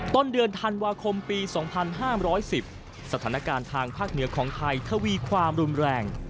ต้นเดือนธันวาคมปีสองพันห้ามร้อยสิบสถานการณ์ทางภาคเหนือของไทยทวีความรุนแรง